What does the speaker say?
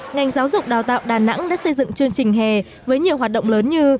ngành giáo dục đào tạo đà nẵng đã xây dựng chương trình hè với nhiều hoạt động lớn như